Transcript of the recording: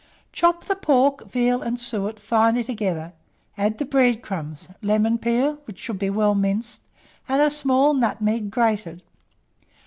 Chop the pork, veal, and suet finely together, add the bread crumbs, lemon peel (which should be well minced), and a small nutmeg grated.